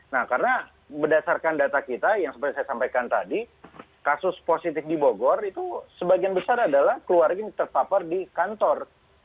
nah karena berdasarkan data kita yang seperti saya sampaikan tadi kasus positif di bogor itu sebagian besar adalah keluarga yang terpapar di kantor